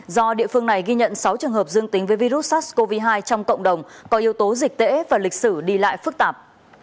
do địa phương này ghi nhận sáu trường hợp dương tính với virus sars cov hai trong cộng đồng có yếu tố dịch tễ và lịch sử đi lại phức tạp